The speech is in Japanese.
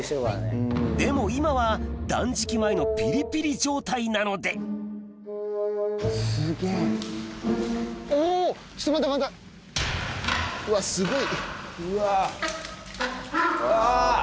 でも今は断食前のピリピリ状態なのでうわすごい。